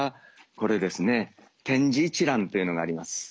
これですね点字一覧というのがあります。